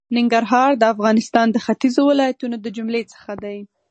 ننګرهار د افغانستان د ختېځو ولایتونو د جملې څخه دی.